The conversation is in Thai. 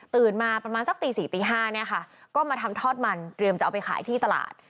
มาประมาณสักตี๔ตี๕เนี่ยค่ะก็มาทำทอดมันเตรียมจะเอาไปขายที่ตลาด